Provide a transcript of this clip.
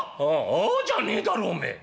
「ああじゃねえだろう！おめえ。